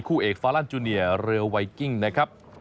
คู่เอกฟาลันจูเนียเรือไวกิ้งนะครับ